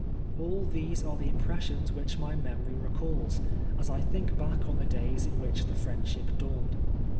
All these are the impressions which my memory recalls, as I think back on the days in which the friendship dawned.